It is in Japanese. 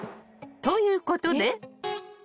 ［ということで］